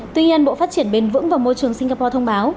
tuy nhiên bộ phát triển bền vững và môi trường singapore thông báo